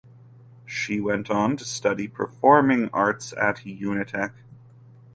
She went on to study performing arts at Unitec.